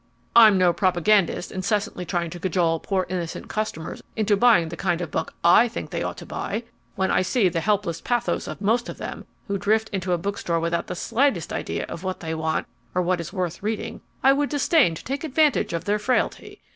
I'm no propagandist incessantly trying to cajole poor innocent customers into buying the kind of book I think they ought to buy. When I see the helpless pathos of most of them, who drift into a bookstore without the slightest idea of what they want or what is worth reading, I would disdain to take advantage of their frailty.